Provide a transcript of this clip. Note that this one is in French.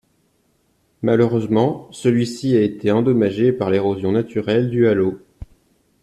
Malheureusement, celui-ci a été endommagé par l'érosion naturelle due à l'eau.